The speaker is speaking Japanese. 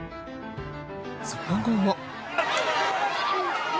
その後も。